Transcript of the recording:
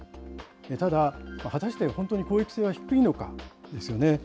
ただ、果たして本当に公益性は低いのかですよね。